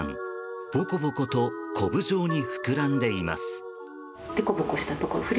ボコボコとこぶ状に膨らんでいます。